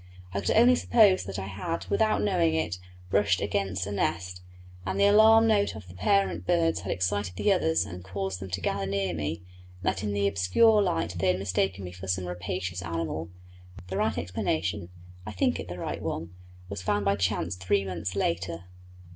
I could only suppose that I had, without knowing it, brushed against a nest, and the alarm note of the parent birds had excited the others and caused them to gather near me, and that in the obscure light they had mistaken me for some rapacious animal. The right explanation (I think it the right one) was found by chance three months later.